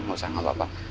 ga usah gapapa